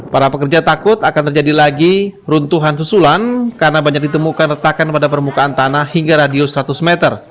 para pekerja takut akan terjadi lagi runtuhan susulan karena banyak ditemukan retakan pada permukaan tanah hingga radius seratus meter